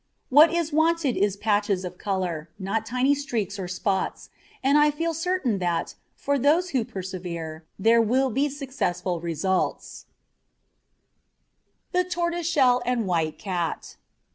What is wanted is patches of colour, not tiny streaks or spots; and I feel certain that, for those who persevere, there will be successful results. THE TORTOISESHELL AND WHITE CAT.